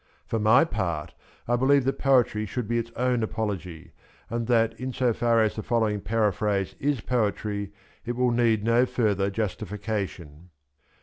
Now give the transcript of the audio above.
For my party I believe that poetry should be its own apology ^ and that in so far as the following paraphrase is poetry ^ it will need no further justification.